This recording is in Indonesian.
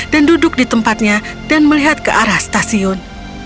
dan duduk di tempatnya dan melihat ke arah stasiun